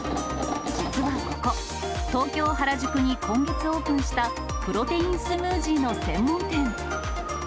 実はここ、東京・原宿に今月オープンした、プロテインスムージーの専門店。